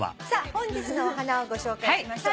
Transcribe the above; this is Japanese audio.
本日のお花をご紹介しましょう。